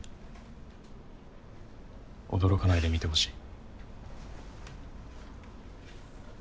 驚かないで見てほしい。